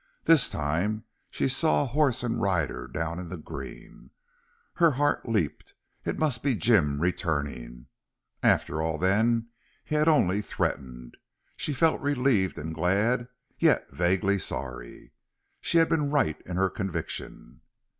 This time she saw a horse and rider down in the green. Her heart leaped. It must be Jim returning. After all, then, he had only threatened. She felt relieved and glad, yet vaguely sorry. She had been right in her conviction.